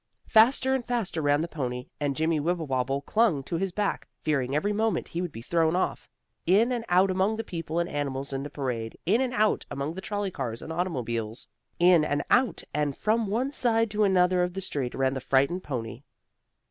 Faster and faster ran the pony, and Jimmie Wibblewobble clung to his back, fearing every moment he would be thrown off. In and out among the people and animals in the parade, in and out among trolley cars and automobiles, in and out, and from one side to another of the street ran the frightened pony.